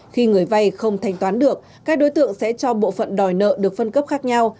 khi người vay không thanh toán được các đối tượng sẽ cho bộ phận đòi nợ được phân cấp khác nhau